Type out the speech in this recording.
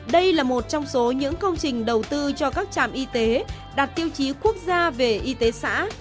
đây là một trong số những công trình đầu tư cho các trạm y tế đạt tiêu chí quốc gia về y tế xã